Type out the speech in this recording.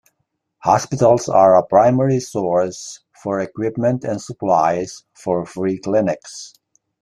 Hospitals are a primary source for equipment and supplies for free clinics.